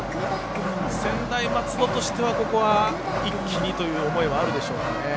専大松戸としてはここは一気にという思いがあるでしょうか。